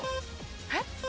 えっ？